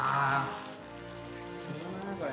最高だなこれ。